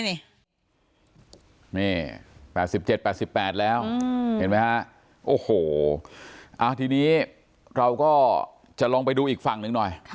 นี่๘๗๘๘แล้วเห็นไหมฮะโอ้โหทีนี้เราก็จะลองไปดูอีกฝั่งหนึ่งหน่อย